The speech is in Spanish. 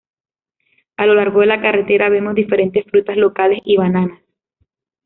A lo largo de la carretera vemos diferentes frutas locales y bananas.